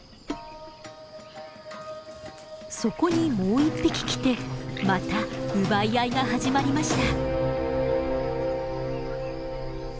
そこにもう１匹来てまた奪い合いが始まりました。